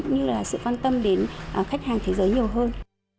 như là sự quan tâm đến khách hàng thế giới nhiều hơn